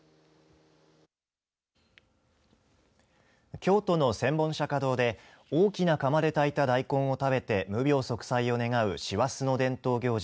京都の千本釈迦堂で大きな釜で炊いた大根を食べて無病息災を願う師走の伝統行事